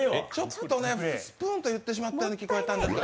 スプーンと言ってしまったように聞こえたんですけど。